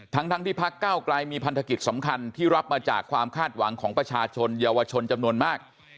ทั้งที่พักเก้าไกลมีพันธกิจสำคัญที่รับมาจากความคาดหวังของประชาชนเยาวชนจำนวนมาก